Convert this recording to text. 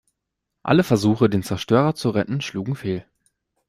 Alle Versuche, den Zerstörer zu retten, schlugen fehl.